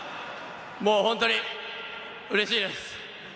もう本当にうれしいです。